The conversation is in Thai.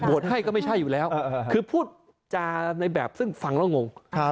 ให้ก็ไม่ใช่อยู่แล้วคือพูดจาในแบบซึ่งฟังแล้วงง